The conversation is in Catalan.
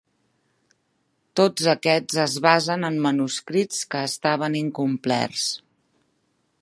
Tots aquests es basen en manuscrits que estaven incomplets.